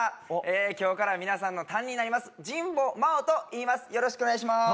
今日から皆さんの担任になります「じんぼまお」といいます